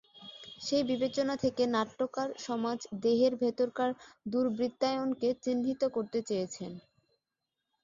সেই বিবেচনা থেকে নাট্যকার সমাজ দেহের ভেতরকার দুর্বৃত্তায়নকে চিহ্নিত করতে চেয়েছেন।